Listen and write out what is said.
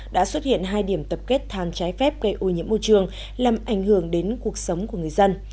đã xuất hiện hai điểm tập kết than trái phép gây ô nhiễm môi trường làm ảnh hưởng đến cuộc sống của người dân